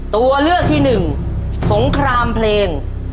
ตัวเลือกที่หนึ่งสงครามเพลง